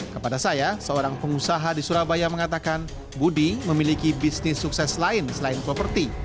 kepada saya seorang pengusaha di surabaya mengatakan budi memiliki bisnis sukses lain selain properti